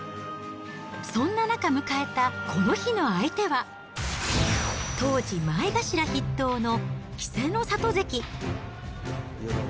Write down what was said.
そんな中、迎えたこの日の相手は、当時、前頭筆頭の稀勢の里関。